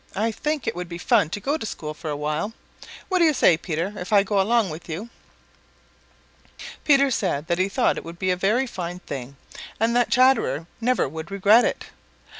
I think it would be fun to go to school for a while. What do you say, Peter, if I go along with you?" Peter said that he thought it would be a very fine thing and that Chatterer never would regret it.